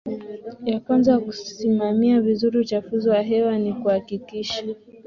ya kwanza ya kusimamia vizuri uchafuzi wa hewa ni kuhakikisha